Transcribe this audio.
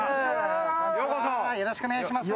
よろしくお願いします。